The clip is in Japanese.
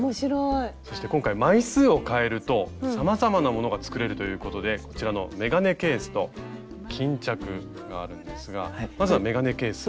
そして今回枚数をかえるとさまざまなものが作れるということでこちらの眼鏡ケースと巾着があるんですがまずは眼鏡ケース。